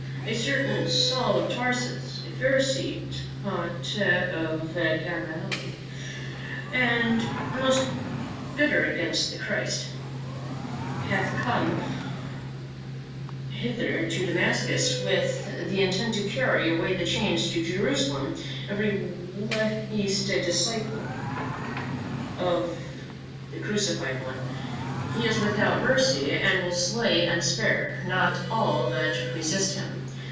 "A certain Sau\ of Tarsus, a Pharisee taught of Gamaliel, and most bitter against the Christ, hath come hither to Damascus with the intent to carry away in chains to Jerusalem every least disciple of the 16 PA UL. Crucified One. He is without mercy, and will slay and spare not all that resist him.